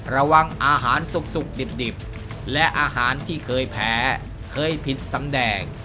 ระวังอาหารสุกดิบและอาหารที่เคยแพ้เคยผิดสำแดง